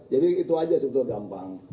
jadi itu aja sebetulnya gampang